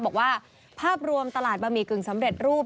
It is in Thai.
บอกว่าภาพรวมตลาดบะหมี่กึ่งสำเร็จรูป